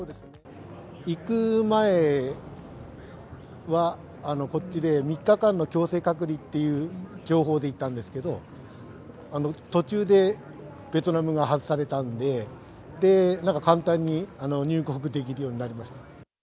行く前は、こっちで３日間の強制隔離っていう情報で行ったんですけど、途中でベトナムが外されたんで、なんか簡単に入国できるようになりました。